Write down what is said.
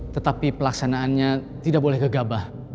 tetapi pelaksanaannya tidak boleh gegabah